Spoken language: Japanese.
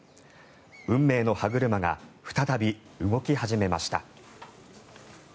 運命の歯車が再び動き始めました。